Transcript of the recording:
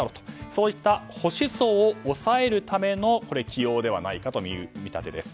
そうした保守層を抑えるための起用ではないかという見立てです。